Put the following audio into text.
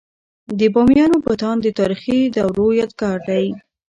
د بامیانو بتان د تاریخي دورو یادګار دی.